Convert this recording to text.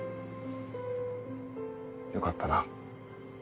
よかったな。